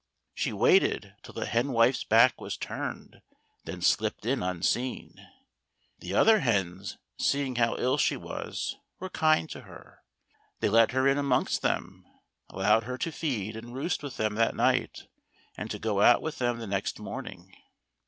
She waited till the henwife's back was turned, then slipped in unseen. The other hens, seeing how ill she was, were kind to her. They let her in amongst them, allowed her to feed and roost with them that night, and to go out with them the next morning.